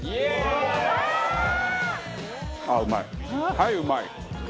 はいうまい。